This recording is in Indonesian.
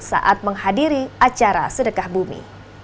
saat menghadiri acara sedekah bumi